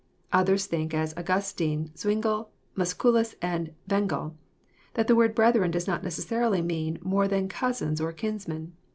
— Others think, as Augustine, Zwingle, Musculus, and Bengel, that the word "brethren" does not necessarily mean more than cousins or kinsmen.